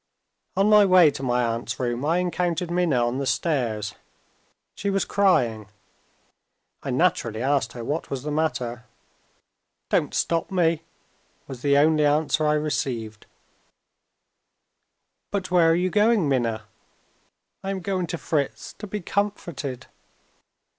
On my way to my aunt's room, I encountered Minna on the stairs. She was crying. I naturally asked what was the matter. "Don't stop me!" was the only answer I received. "But where are you going, Minna?" "I am going to Fritz, to be comforted."